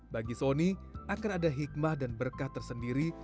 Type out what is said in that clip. bagi sony akan ada hikmah dan berkah tersendiri